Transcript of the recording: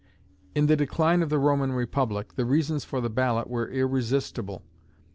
In the decline of the Roman republic, the reasons for the ballot were irresistible.